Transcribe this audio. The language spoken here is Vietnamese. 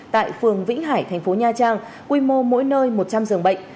tại phường vĩnh hải thành phố nha trang quy mô mỗi nơi một trăm linh giường bệnh